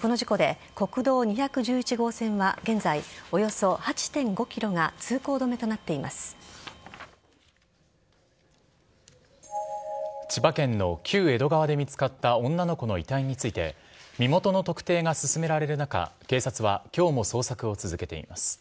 この事故で国道２１１号線は現在およそ８．５ｋｍが千葉県の旧江戸川で見つかった女の子の遺体について身元の特定が進められる中警察は今日も捜索を続けています。